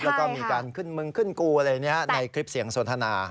แล้วก็มีการขึ้นมึงขึ้นกูอะไรในคลิปเสียงสนทนา